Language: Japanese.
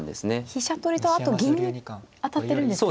飛車取りとあと銀に当たってるんですね。